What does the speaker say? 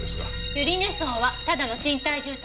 百合根荘はただの賃貸住宅。